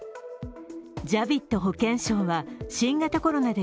ジャヴィッド保健相は新型コロナで